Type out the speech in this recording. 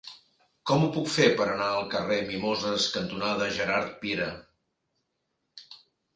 Com ho puc fer per anar al carrer Mimoses cantonada Gerard Piera?